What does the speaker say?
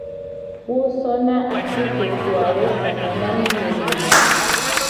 Wo sona atiketo awo sana na mi le lome.